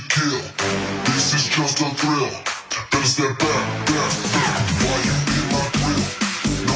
kasih gerakan dasar ini aku bantuin